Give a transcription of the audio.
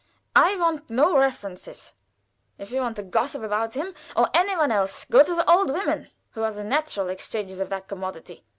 I want no references. If you want to gossip about him or any one else, go to the old women who are the natural exchangers of that commodity.